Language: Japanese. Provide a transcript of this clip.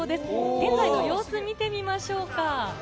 現在の様子、見てみましょうか。